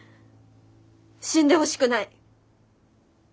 死んでほしくない。